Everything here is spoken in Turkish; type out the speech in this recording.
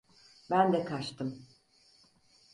Ben de kaçtım.